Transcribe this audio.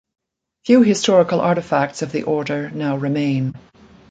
Few historical artifacts of the Order now remain.